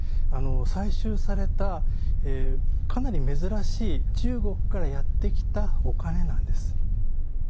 採集されたかなり珍しい中国からやって来たお金なんです。